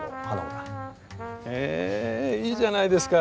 へえいいじゃないですか。